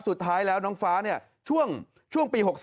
สุดท้ายแล้วน้องฟ้าช่วงปี๖๓